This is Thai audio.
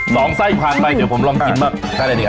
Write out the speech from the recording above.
สองไส้ผ่านไปเดี๋ยวผมลองกินมาก